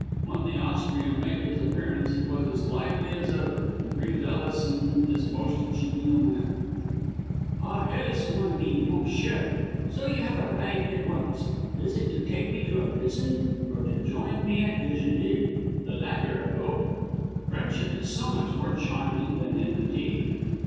When the Austrian made his appearance he was as lively as ever, and greeted Ellis in his most genial manner. "Ah, Ellis, mon ami, mon cher, so you have arrived once more. Is it to take me to a prison or to join me at déjeuner the latter, I hope; friendship is so much more charming than enmity."